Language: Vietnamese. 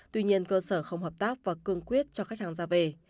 tuy nhiên cơ sở không hợp tác và cương quyết cho khách hàng ra về